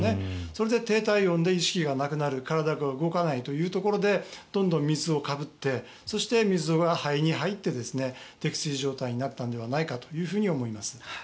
それで低体温で意識がなくなる体が動かなくなるというところでどんどん水をかぶってそして水が肺に入って溺水状態になったのではないかと思います。